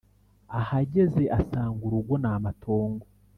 ahageze asanga urugo namatongo